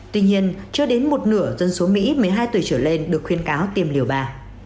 tuy nhiên chưa đến một nửa dân số mỹ một mươi hai tuổi trở lên được khuyên cáo tìm liều bà